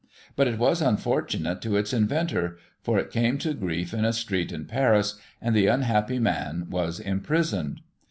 But it was unfortunate to its inventor — for it came to grief in a street in Paris, and the unhappy man was im prisoned.